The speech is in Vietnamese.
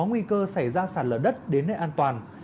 nhưng khi không có xảy ra sạt lở đất đến nơi an toàn